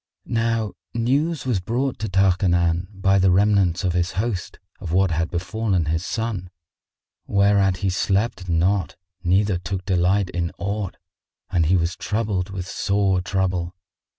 Now news was brought to Tarkanan by the remnants of his host of what had befallen his son, whereat he slept not neither took delight in aught, and he was troubled with sore trouble.